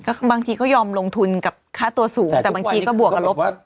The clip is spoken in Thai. บางทีก็ยอมลงทุนกับค่าตัวสูงแต่บางทีก็บวกกับลบ